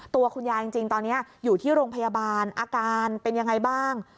ตัวคุณยายจริงตอนนี้อยู่ที่โรงพยาบาลอาการเป็นยังไงบ้าง